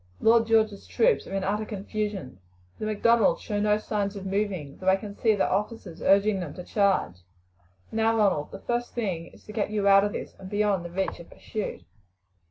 "Lord George's troops are in utter confusion. The Macdonalds show no signs of moving, though I can see their officers are urging them to charge. Now, Ronald, the first thing is to get you out of this, and beyond the reach of pursuit."